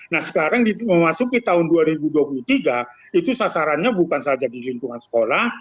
nah sekarang memasuki tahun dua ribu dua puluh tiga itu sasarannya bukan saja di lingkungan sekolah